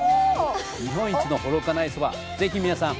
日本一の幌加内そば是非皆さん